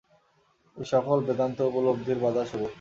এই সকলই বেদান্ত উপলব্ধির বাধাস্বরূপ।